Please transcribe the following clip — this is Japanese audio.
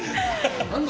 何だ？